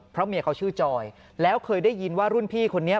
เพราะเมียเขาชื่อจอยแล้วเคยได้ยินว่ารุ่นพี่คนนี้